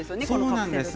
そうなんです。